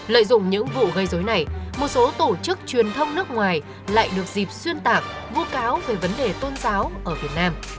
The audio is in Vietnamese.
lợi dụng những vụ gây dối này một số tổ chức truyền thông nước ngoài lại được dịp xuyên tạc vu cáo về vấn đề tôn giáo ở việt nam